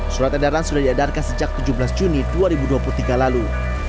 surat edaran sudah diedarkan sejak tujuh belas juni dua ribu dua puluh tiga lalu